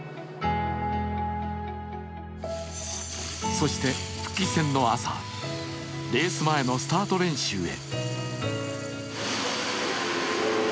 そして復帰戦の朝、レース前のスタート練習へ。